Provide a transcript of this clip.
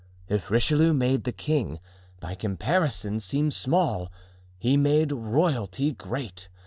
If Richelieu made the king, by comparison, seem small, he made royalty great.